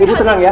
ibu tenang ya